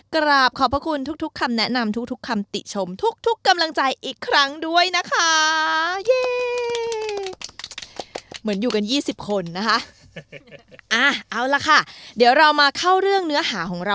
กราบขอบพระคุณทุกคำแนะนำทุกคำติชมทุกกำลังใจอีกครั้งด้วยนะคะ